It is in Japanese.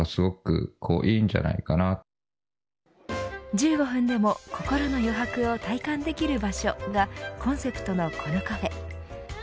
１５分でも心の余白を体感できる場所、がコンセプトのこのカフェ。